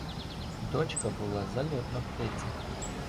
Дочка була зальотна птиця